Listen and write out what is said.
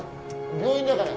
病院だから。